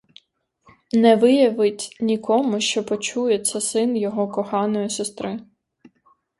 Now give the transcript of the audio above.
Не виявить нікому, що почує, це син його коханої сестри.